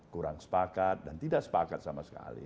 kurang sepakat dan tidak sepakat sama sekali